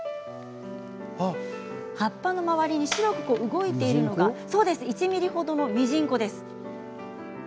葉っぱの周りに白く動いているのが１ｍｍ程のミジンコです。